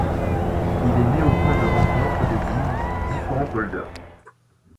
Il est né au point de rencontre des digues de différents polders.